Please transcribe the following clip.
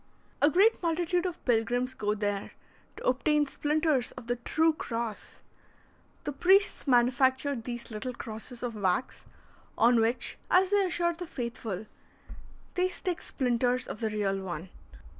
A great multitude of pilgrims go there to obtain splinters of the true cross. The priests manufacture little crosses of wax, on which, as they assure the faithful, they stick splinters of the real one.